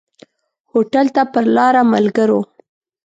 هوټل ته پر لاره ملګرو.